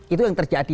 itu yang terjadi